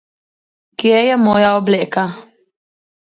Kje je moja obleka?